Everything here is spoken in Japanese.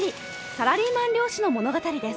サラリーマン漁師の物語です。